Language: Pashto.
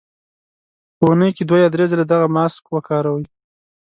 په اونۍ کې دوه یا درې ځله دغه ماسک وکاروئ.